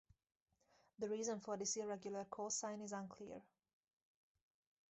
The reason for this irregular call sign is unclear.